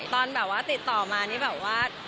ตอนแบบว่าติดต่อมานี่แบบว่า